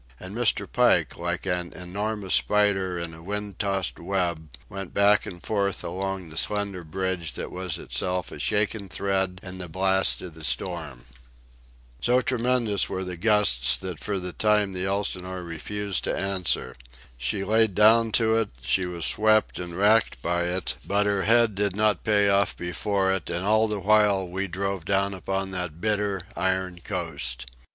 And Mr. Pike, like an enormous spider in a wind tossed web, went back and forth along the slender bridge that was itself a shaken thread in the blast of the storm. So tremendous were the gusts that for the time the Elsinore refused to answer. She lay down to it; she was swept and racked by it; but her head did not pay off before it, and all the while we drove down upon that bitter, iron coast.